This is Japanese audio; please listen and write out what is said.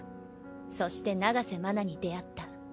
そして長瀬麻奈に出会った。